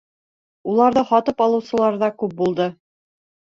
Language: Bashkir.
Уларҙы һатып алыусылар ҙа күп булды.